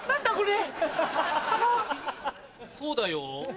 そうだよ